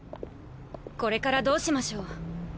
これからどうしましょう？